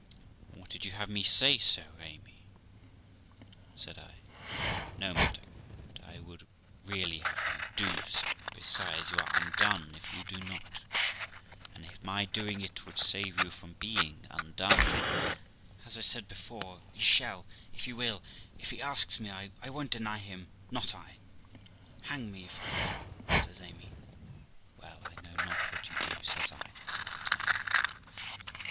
Aad would you have me say so, Amy? ' said L 2l6 THE LIFE OF ROXANA No, madam; but I would really have you do so. Besides, you are undone if you do not; and, if my doing it would save you from being undone, as I said before, he shall, if he will ; if he asks me, I won't deny him, not I ; hang me if I do ', says Amy. 'Well, I know not what to do', says I to Amy.